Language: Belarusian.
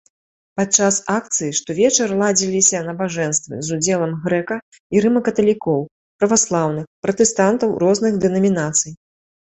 Падчас акцыі штовечар ладзіліся набажэнствы з удзелам грэка- і рыма-каталікоў, праваслаўных, пратэстантаў розных дэнамінацый.